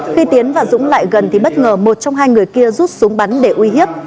khi tiến và dũng lại gần thì bất ngờ một trong hai người kia rút súng bắn để uy hiếp